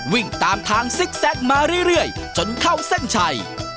วิ่งตามทางซิกแซคมาเรื่อยจนเข้าเส้นชัย